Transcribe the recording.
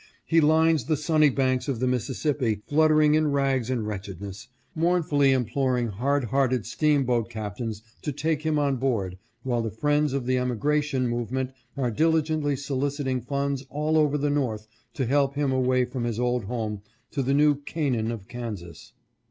He lines the sunny banks of the Mississippi, fluttering in rags and wretchedness, mournfully imploring hard hearted steamboat captains to take him on board, while the friends of the emigration movement are diligently soliciting funds all over the North to help him away from his old home to the new Canaan of Kansas."